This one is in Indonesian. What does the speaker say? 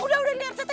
udah udah lihat lihat